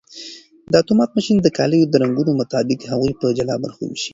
دا اتومات ماشین د کالیو د رنګونو مطابق هغوی په جلا برخو ویشي.